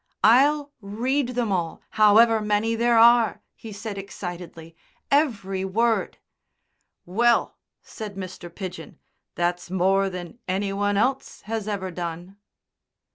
"I'll read them all, however many there are!" he said excitedly. "Every word." "Well," said Mr. Pidgen, "that's more than any one else has ever done."